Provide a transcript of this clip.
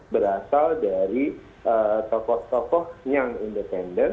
berasal dari tokoh tokoh yang independen